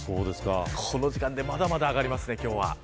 この時間からまだまだ上がります、今日は。